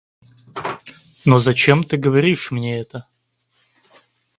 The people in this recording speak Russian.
Но зачем ты говоришь мне это?